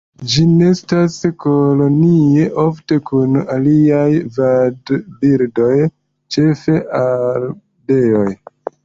Ĝi nestas kolonie ofte kun aliaj vadbirdoj ĉefe ardeoj.